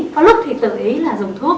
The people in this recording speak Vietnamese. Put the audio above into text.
có lúc thì tự ý là dùng thuốc